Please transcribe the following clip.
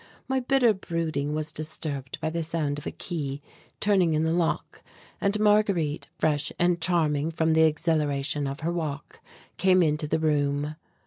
My bitter brooding was disturbed by the sound of a key turning in the lock, and Marguerite, fresh and charming from the exhilaration of her walk, came into the room.